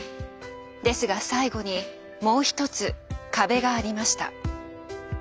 ですが最後にもう一つ「壁」がありました。